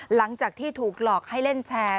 หลังจากที่ถูกหลอกให้เล่นแชร์